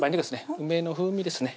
梅の風味ですね